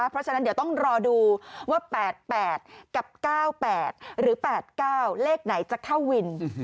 เพราะฉะนั้นเดี๋ยวต้องรอดูว่า๘๘กับ๙๘หรือ๘๙เลขไหนจะเข้าวิน